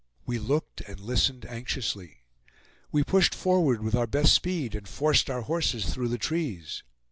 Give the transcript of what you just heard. We looked and listened anxiously. We pushed forward with our best speed, and forced our horses through the trees.